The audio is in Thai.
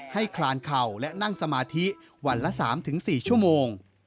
คลานเข่าและนั่งสมาธิวันละ๓๔ชั่วโมง